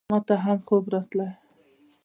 ماته هم خوب راتلی !